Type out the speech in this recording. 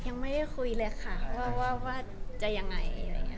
ยังไม่ได้คุยเลยค่ะว่าจะยังไง